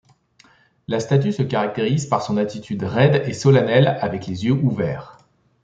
La statue se caractérise par son attitude raide et solennelle, avec les yeux ouverts.